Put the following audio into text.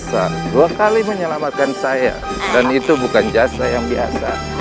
saya dua kali menyelamatkan saya dan itu bukan jasa yang biasa